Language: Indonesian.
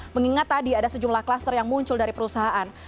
mengingat tadi ada sejumlah kluster yang muncul dari perusahaan